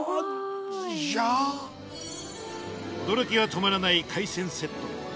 驚きが止まらない海鮮セット。